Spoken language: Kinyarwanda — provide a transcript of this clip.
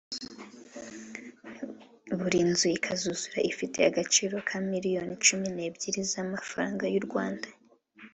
Buri nzu ikazuzura ifite agaciro ka Miliyoni cumi n’ebyiri z’amafaranga y’u Rwanda